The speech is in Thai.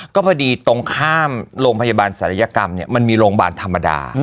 ก็พอดีตรงข้ามโรงพยาบาลศัลยกรรมเนี่ยมันมีโรงพยาบาลธรรมดา